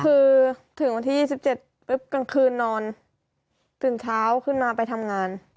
คือถึงวันที่๒๗ปุ๊บกลางคืนนอนตื่นเช้าขึ้นมาไปทำงาน